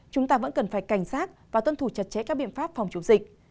chúng ta vẫn cần phải cảnh sát và tuân thủ chặt chẽ các biện pháp phòng chống dịch